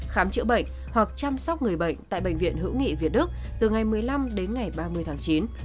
khám chữa bệnh hoặc chăm sóc người bệnh tại bệnh viện hữu nghị việt đức từ ngày một mươi năm đến ngày ba mươi tháng chín